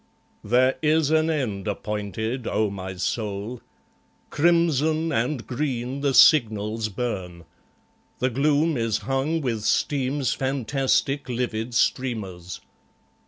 ... There is an end appointed, O my soul! Crimson and green the signals burn; the gloom Is hung with steam's far blowing livid streamers.